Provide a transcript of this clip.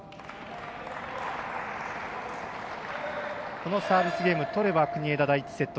このサービスゲームとれば国枝、第１セット。